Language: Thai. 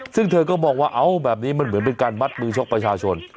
ซึ่งเธอก็มองว่าเอาแบบนี้มันเหมือนเป็นการมัดมือชกประชาชน